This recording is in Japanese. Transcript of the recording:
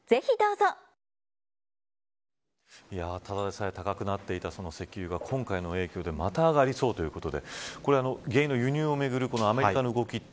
ただでさえ高くなっていた石油が今回の影響でまた上がりそうということで原油の輸入をめぐるアメリカの動き